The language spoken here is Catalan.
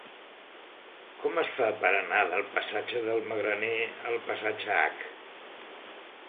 Com es fa per anar del passatge del Magraner al passatge H?